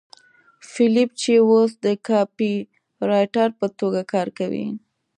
فیلیپ چې اوس د کاپيرایټر په توګه کار کوي